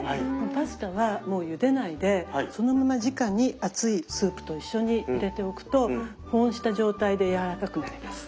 パスタはもうゆでないでそのままじかに熱いスープと一緒に入れておくと保温した状態でやわらかくなります。